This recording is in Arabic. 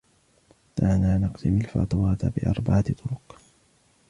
دعنا نقسم الفاتورة بأربعة طرق.